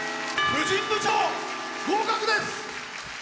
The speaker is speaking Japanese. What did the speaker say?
婦人部長合格です！